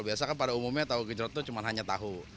biasa kan pada umumnya tahu gejrot itu cuma hanya tahu